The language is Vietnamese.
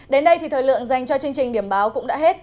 đến đây thì thời lượng dành cho chương trình điểm báo cũng đã hết